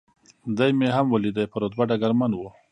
دی مې هم ولید، په رتبه ډګرمن و.